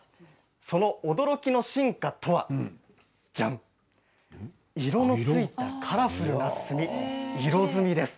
その驚きの進化とは色のついたカラフルな墨色墨です。